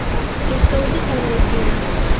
Estoulles agradecido.